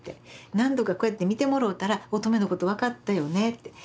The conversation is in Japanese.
何度かこうやって見てもろうたら音十愛のこと分かったよねって。